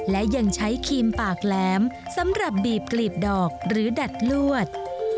และยังใช้ครีมปากแหลมสำหรับบีบกลีบดอกหรือดัดลวด